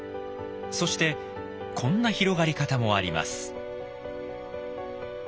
そしてこんな広がり方もあります。